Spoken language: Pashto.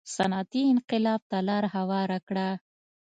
صنعتي انقلاب ته لار هواره کړه.